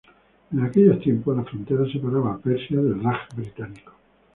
En aquellos tiempos, la frontera separaba a Persia del Raj británico.